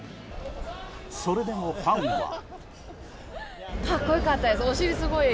それでもファンは。